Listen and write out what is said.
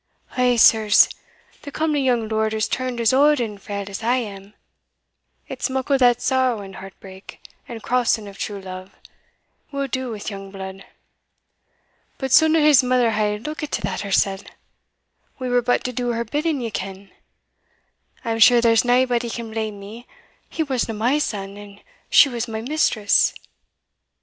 Eh, sirs! the comely young lord is turned as auld and frail as I am: it's muckle that sorrow and heartbreak, and crossing of true love, will do wi' young blood. But suldna his mither hae lookit to that hersell? we were but to do her bidding, ye ken. I am sure there's naebody can blame me he wasna my son, and she was my mistress.